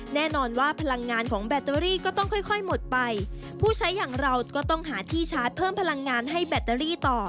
แน่นอนว่าพลังงานของแบตเตอรี่ก็ต้องค่อยค่อยหมดไปผู้ใช้อย่างเราก็ต้องหาที่ชาร์จเพิ่มพลังงานให้แบตเตอรี่ต่อ